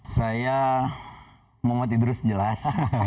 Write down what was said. saya muhammad idrus jelas